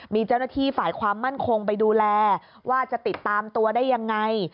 มีเจ้าหน้าที่ฝ่ายความมั่นคงไปดูแลว่าจะติดตามตัวได้ยังไง